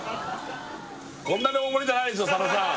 こんなに大盛りじゃないでしょさのさん